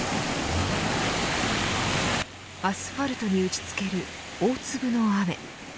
アスファルトに打ちつける大粒の雨。